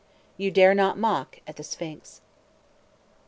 You dare not mock at the Sphinx.